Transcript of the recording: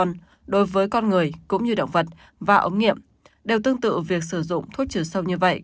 các nghiên cứu đối với con người cũng như động vật và ống nghiệm đều tương tự việc sử dụng thuốc trừ sâu như vậy